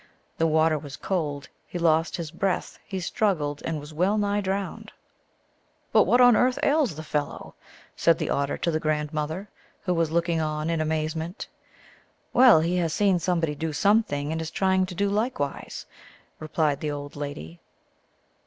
The water was cold, he lost his breath, he struggled, and was well nigh drowned. 14 210 THE ALGONQUIN LEGENDS. " But what on earth ails the fellow ?" said the Ot ter to the grandmother, who was looking on in amaze ment. " Well, he has seen somebody do something, and is trying to do likewise," replied the old lady.